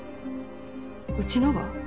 うちのが？